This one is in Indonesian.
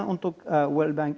untuk world bank